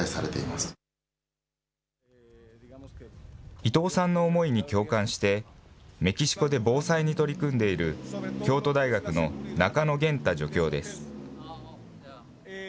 伊藤さんの思いに共感して、メキシコで防災に取り組んでいる京都大学の中野元太助教です。